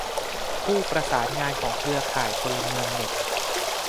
ผู้ประสานงานของเครือข่ายพลเมืองเน็ต